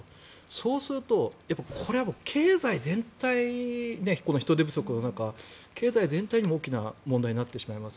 そうするとこれは経済全体人手不足の中経済全体にも大きな問題になってしまいます。